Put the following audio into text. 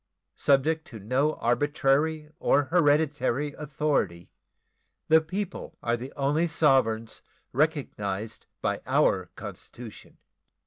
Subject to no arbitrary or hereditary authority, the people are the only sovereigns recognized by our Constitution.